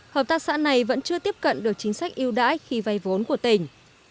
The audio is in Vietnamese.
hợp tác xã này vẫn chưa tiếp cận được chính sách yêu đãi khi vay vốn của tỉnh